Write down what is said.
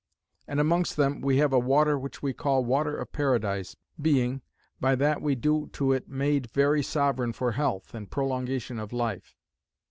And amongst them we have a water which we call Water of Paradise, being, by that we do to it made very sovereign for health, and prolongation of life.